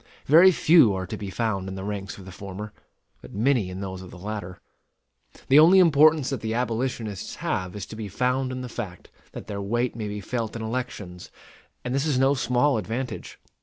Very few are to be found in the ranks of the former; but many in those of the latter. The only importance that the abolitionists have is to be found in the fact that their weight may be felt in elections; and this is no small advantage.